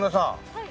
はい。